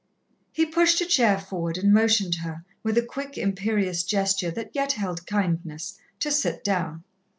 He pushed a chair forward and motioned her, with a quick, imperious gesture that yet held kindness, to sit down.